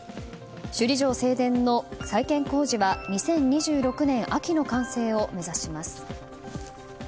首里城正殿の再建工事は２０２６年秋の完成を目指します。